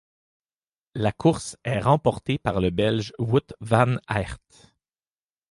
La course est remportée par le Belge Wout Van Aert.